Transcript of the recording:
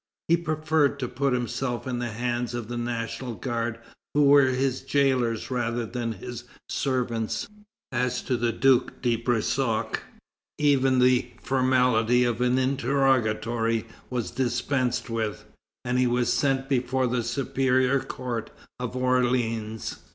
He preferred to put himself in the hands of the National Guard, who were his jailors rather than his servants. As to the Duke de Brissac, even the formality of an interrogatory was dispensed with, and he was sent before the Superior Court of Orleans.